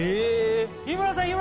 日村さん！